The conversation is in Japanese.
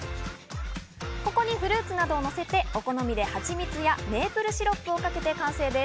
ここにフルーツなどをのせて、お好みではちみつやメープルシロップをかけて完成です。